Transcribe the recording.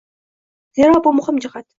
Zero bu muhim jihat